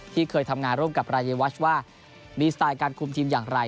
เคยทำงานร่วมกับรายวัชว่ามีสไตล์การคุมทีมอย่างไร